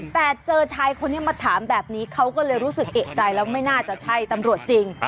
แต่เจอชายคนนี้มาถามแบบนี้เขาก็เลยรู้สึกเอกใจแล้วไม่น่าจะใช่ตำรวจจริง